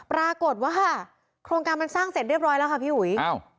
ปรากฏว่าค่ะโครงการมันสร้างเสร็จเรียบร้อยแล้วค่ะพี่อุ๋ยอ้าว